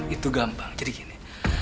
itu gampang jadi gini